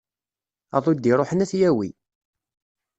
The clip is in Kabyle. Aḍu i d-iruḥen ad t-yawi.